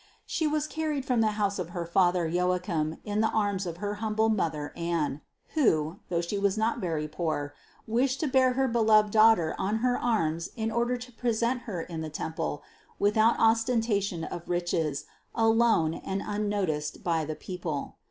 She was carried from the house of her father Joachim in the arms of her humble mother Anne, who, though she was not very poor, wished to bear her beloved Daughter on her arms in order to present Her in the temple without ostentation of riches, alone and unnoticed by the people.